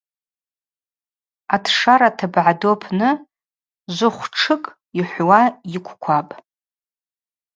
Атшшара тыбгӏа ду апны жвыхвтшыкӏ йхӏвуа йыквквапӏ.